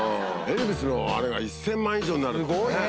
エルビスのあれが１０００万以上になるってね。